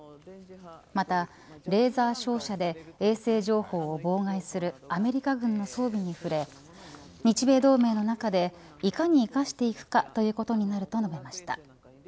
またレーザー照射で衛星情報を妨害するアメリカ軍の装備に触れ日米同盟の中でいかに生かしていくかということになると述べました。